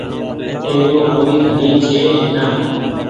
اي رو ڪوئي ڍڻي ڇي نآ۔